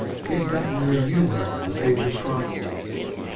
Is that where you wear the Saviour's cross?